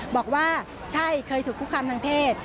บอกว่าใช่เคยถูกคุกคามทางเพศ